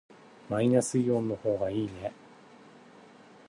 マイナスイオンの方がいいね。